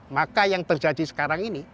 maka yang terjadi sekarang ini